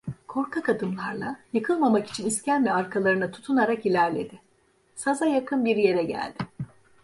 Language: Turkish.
Korkak adımlarla, yıkılmamak için iskemle arkalarına tutunarak ilerledi, saza yakın bir yere geldi.